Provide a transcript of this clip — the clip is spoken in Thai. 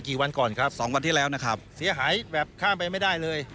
กี่วันก่อนครับสองวันที่แล้วนะครับเสียหายแบบข้ามไปไม่ได้เลย